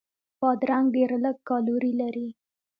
بادرنګ ډېر لږ کالوري لري.